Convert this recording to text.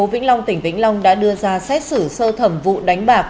thành phố vĩnh long tỉnh vĩnh long đã đưa ra xét xử sơ thẩm vụ đánh bạc